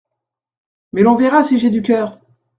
Mais l’on verra si j’ai du cœur !…